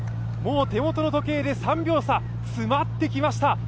もう手元の時計で３秒差、詰まってきました。